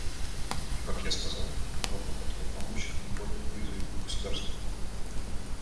И, как я сказал, Европа готова помочь наиболее уязвимым государствам.